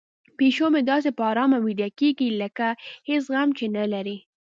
پیشو مې داسې په ارامه ویده کیږي لکه هیڅ غم چې نه لري.